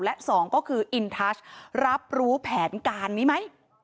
และ๒ก็คืออินทัชรับรู้แผนการนี้ไหม